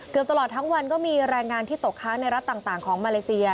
ตลอดทั้งวันก็มีแรงงานที่ตกค้างในรัฐต่างของมาเลเซีย